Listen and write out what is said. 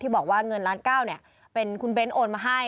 บอกว่าเงินล้านเก้าเป็นคุณเบ้นโอนมาให้